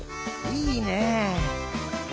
いいねえ。